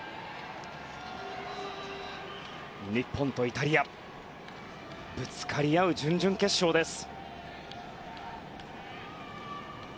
日本とイタリアぶつかり合う準々決勝です。